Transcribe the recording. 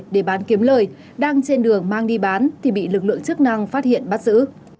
để bán kiếm lời đang trên đường mang đi bán thì bị lực lượng chức năng phát hiện bắt giữ